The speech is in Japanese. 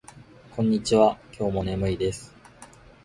こんにちは。今日も眠いです。